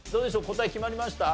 答え決まりました？